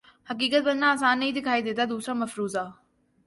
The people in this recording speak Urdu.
حقیقت بننا آسان نہیں دکھائی دیتا دوسرا مفروضہ